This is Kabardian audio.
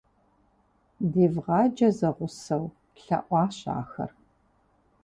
- Девгъаджэ зэгъусэу, – лъэӀуащ ахэр.